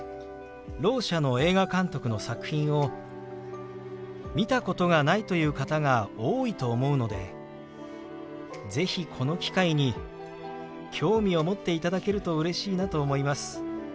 ろう者の映画監督の作品を見たことがないという方が多いと思うので是非この機会に興味を持っていただけるとうれしいなと思います。